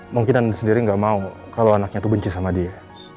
mungkin ananda sendiri gak mau kalo anaknya tuh benci sama dia